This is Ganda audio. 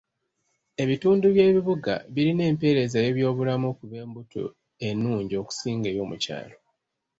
Ebitundu by'ebibuga birina empeereza y'ebyobulamu ku b'embuto ennungi okusinga ey'omukyalo.